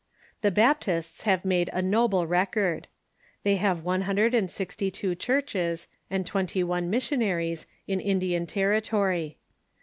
The Baptists have made a noble record. They have one hun dred and sixty two churches and twenty one missionaries in Indian territory.